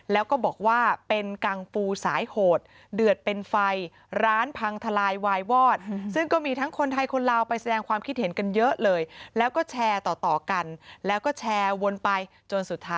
แล้วก็บอกว่าเป็นกังปูสายโหดเดือดเป็นไฟร้านพังทลายวายวอด